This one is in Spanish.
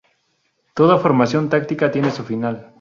Toda formación táctica tiene su final.